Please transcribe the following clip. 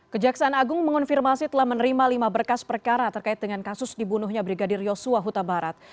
kejaksaan agung mengonfirmasi telah menerima lima berkas perkara terkait dengan kasus dibunuhnya brigadir yosua huta barat